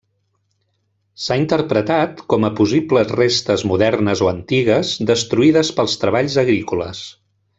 S'ha interpretat com a possibles restes modernes o antigues destruïdes pels treballs agrícoles.